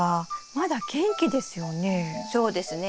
そうですね。